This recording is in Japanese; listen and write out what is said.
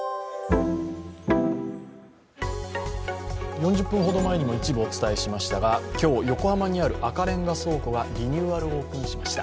４０分ほど前にも一部お伝えしましたが今日、横浜にある赤レンガ倉庫がリニューアルオープンしました。